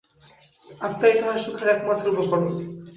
আত্মাই তাঁহার সুখের একমাত্র উপকরণ।